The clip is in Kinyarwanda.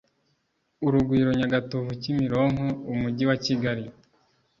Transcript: urugwiro nyagatovukimironko umujyi wa kigali